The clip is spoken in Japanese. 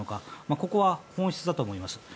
ここは、本質だと思います。